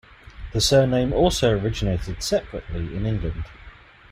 The surname also originated separately in England.